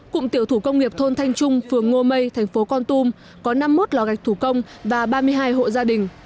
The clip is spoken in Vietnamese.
cụm tiểu thủ công nghiệp thôn thanh trung phường ngô mây thành phố con tum có năm mươi một lò gạch thủ công và ba mươi hai hộ gia đình